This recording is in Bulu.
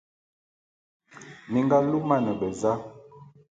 Mi nga lumane beza?